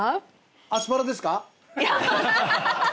アスパラですか？